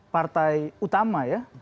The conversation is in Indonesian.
partai utama ya